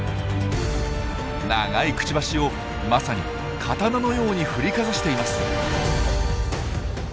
長いクチバシをまさに刀のように振りかざしています！